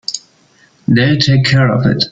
They'll take care of it.